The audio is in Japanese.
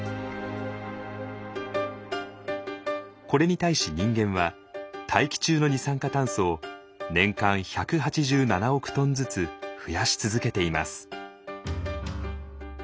これに対し人間は大気中の二酸化炭素を年間１８７億トンずつ増やし続けています。